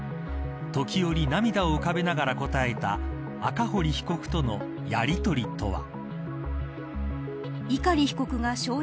時折、涙を浮かべながら答えた赤堀被告とのやりとりとは。